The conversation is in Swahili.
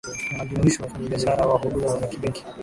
wanajumuishwa wafanyabiashara wa huduma za kibenki